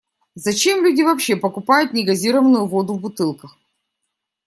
Зачем люди вообще покупают негазированную воду в бутылках?